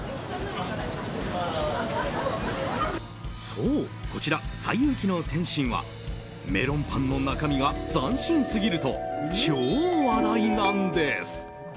そう、こちら西遊記の点心はメロンパンの中身が斬新すぎると超話題なんです。